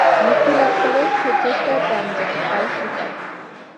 মুক্তিলাভ কর, সে চেষ্টায় প্রাণ যায়, তাও স্বীকার।